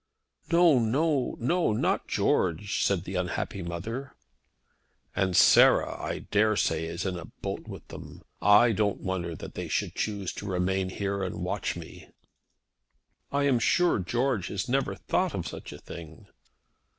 "No, no, no; not George," said the unhappy mother. "And Sarah, I dare say, is in a boat with them. I don't wonder that they should choose to remain here and watch me." "I am sure George has never thought of such a thing."